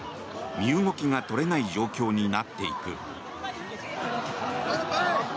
身動きが取れない状況になっていく。